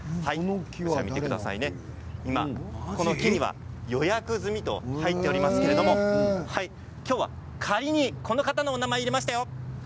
今、この木には予約済みと入っておりますけれども今日は仮に、この方のお名前を入れましたよ。